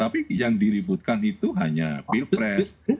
tapi yang diributkan itu hanya pilpres